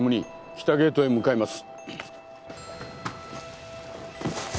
北ゲートへ向かいます。